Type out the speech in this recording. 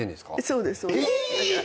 そうですそうです。え！